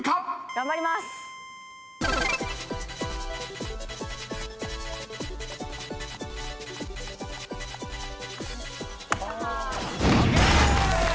頑張ります！ＯＫ！